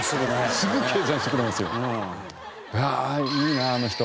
すぐ計算してくれますよ。